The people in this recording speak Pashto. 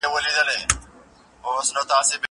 دا اوبه له هغه روښانه دي!!